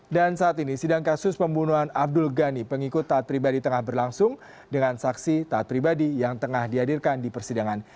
dan saat ini sidang kasus pembunuhan abdul ghani pengikut taat pribadi tengah berlangsung dengan saksi taat pribadi yang tengah dihadirkan di persidangan